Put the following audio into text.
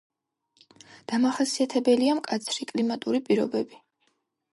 დამახასიათებელია მკაცრი კლიმატური პირობები.